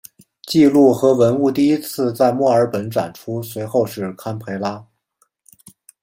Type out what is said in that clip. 记录和文物第一次在墨尔本展出随后是堪培拉。